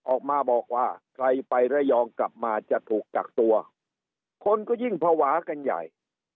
ออกมาบอกว่าใครไประยองกลับมาจะถูกกักตัวคนก็ยิ่งภาวะกันใหญ่